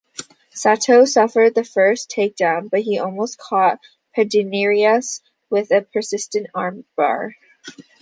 Sato suffered the first takedown, but he almost caught Pederneiras with a persistent armbar.